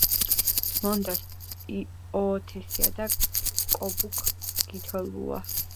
მონდას ოოთესია დო კობუქ გითოლუა.